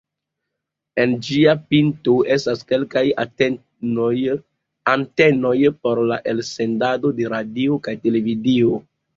En ĝia pinto estas kelkaj antenoj por la elsendado de radio kaj televido.